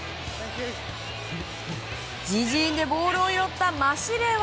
自陣でボールを拾ったマシレワ。